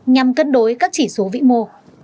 nhằm cân đối các chỉ số vĩ mô